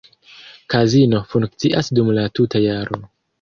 Kazino funkcias dum la tuta jaro.